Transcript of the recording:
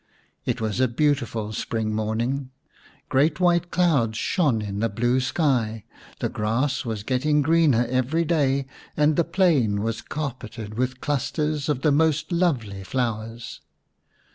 It was a beautiful spring morning. Great white clouds shone in the blue sky, the grass was getting greener every day, and the plain was carpeted with clusters of the most lovely flowers.